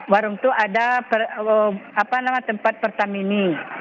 warung itu ada tempat pertamini